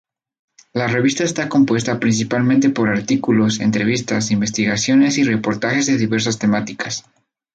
La revista está compuesta principalmente por artículos, entrevistas, investigaciones y reportajes de diversas temáticas.